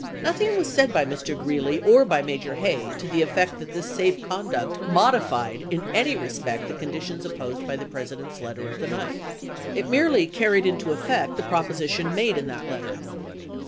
Nothing was said by Mr* Greeley or by Major Hay to the effect that this safe conduct modified in any respect the conditions imposed by the President's letter of the 9th. It merely carried into effect the proposition made in that letter.